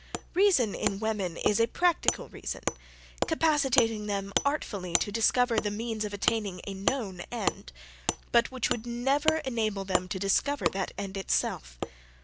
Reason in women is a practical reason, capacitating them artfully to discover the means of attaining a known end, but which would never enable them to discover that end itself.